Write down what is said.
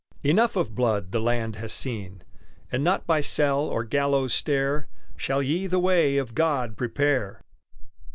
Enough of blood the land has seen, And not by cell or gallows stair Shall ye the way of God prepare.